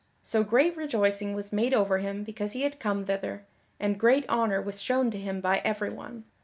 So great rejoicing was made over him because he had come thither, and great honor was shown to him by everyone.